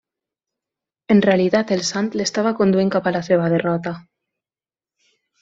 En realitat el sant l'estava conduint cap a la seva derrota.